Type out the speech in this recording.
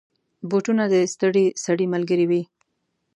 بوټونه د ستړي سړي ملګری وي.